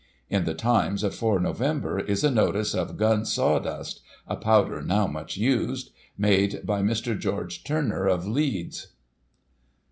In the Times of 4 Nov., is a notice of Gun sawdust (a powder now much used), made by Mr. George Turner of Leeds.